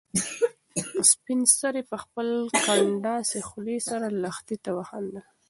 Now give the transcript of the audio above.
سپین سرې په خپلې کنډاسې خولې سره لښتې ته وخندل.